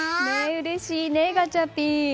うれしいね、ガチャピン。